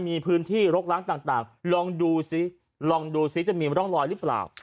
มีพื้นที่รกล้างต่างลองดูซิลองดูซิจะมีร่องรอยหรือเปล่า